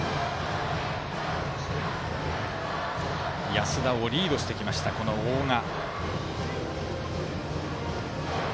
安田をリードしてきました大賀。